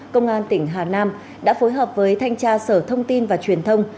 công an tỉnh hà nam đã phối hợp với thanh tra sở thông tin và truyền thông